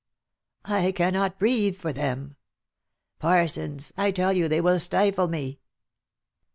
I cannot breathe for them ! Parsons !— I tell you they will stifle me